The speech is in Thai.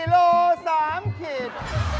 ๔โล๓ขิด